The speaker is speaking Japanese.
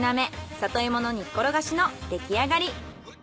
里芋の煮っころがしの出来上がり。